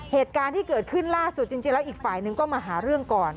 เหตุการณ์ที่เกิดขึ้นล่าสุดจริงแล้วอีกฝ่ายนึงก็มาหาเรื่องก่อน